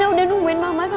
ada rasa dari instagram